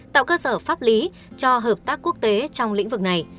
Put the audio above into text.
tạo cơ sở pháp lý cho hợp tác quốc tế trong lĩnh vực này